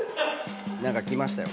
何か来ましたよ